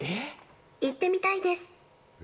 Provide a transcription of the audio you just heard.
行ってみたいです。